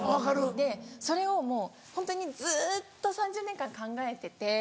でそれをもうホントにずっと３０年間考えてて。